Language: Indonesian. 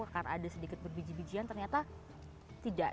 karena ada sedikit berbiji bijian ternyata tidak